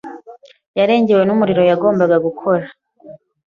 yarengewe numurimo yagombaga gukora.